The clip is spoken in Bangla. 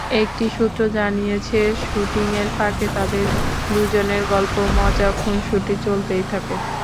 একটি সূত্র জানিয়েছে, শুটিংয়ের ফাঁকে তাঁদের দুজনের গল্প, মজা, খুনসুটি চলতেই থাকে।